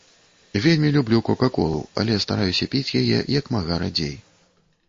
Вельмі люблю кока-колу, але стараюся піць яе як мага радзей.